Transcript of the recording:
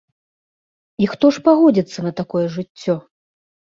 І хто ж пагодзіцца на такое жыццё?